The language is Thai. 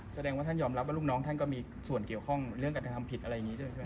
แสดงว่าท่านยอมรับว่าลูกน้องท่านก็มีส่วนเกี่ยวข้องเรื่องการกระทำผิดอะไรอย่างนี้ด้วยใช่ไหม